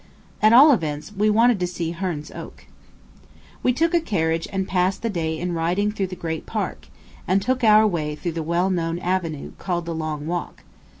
At all events, we wanted to see Herne's Oak. We took a carriage and passed the day in riding through the great park, and took our way through the well known avenue, called the Long Walk.